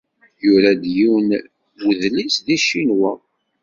Yura-d yiwen n wedlis deg Ccinwa.